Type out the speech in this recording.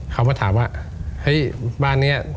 เขามาถามว่าเฮ้ยบ้านนี้